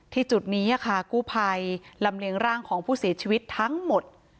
จุดนี้ค่ะกู้ภัยลำเลียงร่างของผู้เสียชีวิตทั้งหมด